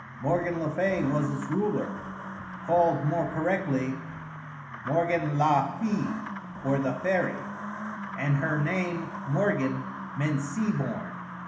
Morgan le Fay was its ruler (called more correctly Morgan la fée, or the fairy), and her name Morgan meant sea born.